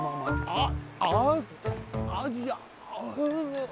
あっ！